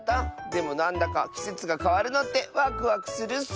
でもなんだかきせつがかわるのってワクワクするッス。